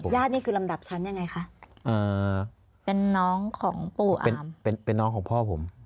นี่คือลำดับชั้นยังไงคะเป็นน้องของปู่เป็นน้องของพ่อผม